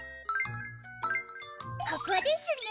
ここですね。